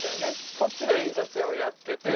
そっちで印刷屋をやってて。